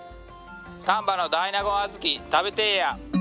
丹波の大納言小豆食べてーや。